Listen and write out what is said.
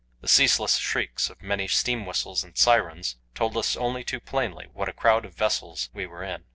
The ceaseless shrieks of many steam whistles and sirens told us only too plainly what a crowd of vessels we were in.